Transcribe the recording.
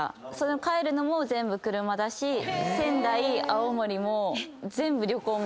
帰るのも全部車だし仙台青森も。